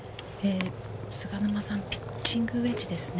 菅沼さん、ピッチングウエッジです。